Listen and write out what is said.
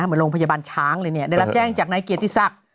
เหมือนโรงพยาบาลช้างเลยได้รับแจ้งจากนายเกียรติศักดิ์